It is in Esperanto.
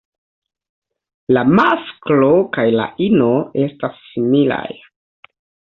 La masklo kaj la ino estas similaj.